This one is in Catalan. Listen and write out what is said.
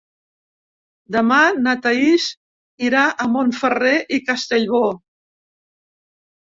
Demà na Thaís irà a Montferrer i Castellbò.